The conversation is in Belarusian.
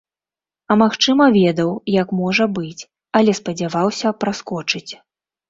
А магчыма, ведаў, як можа быць, але спадзяваўся праскочыць.